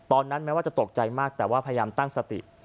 แม้ว่าจะตกใจมากแต่ว่าพยายามตั้งสติ